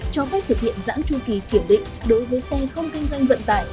cho phép thực hiện giãn tru kỳ kiểm định đối với xe không kinh doanh vận tải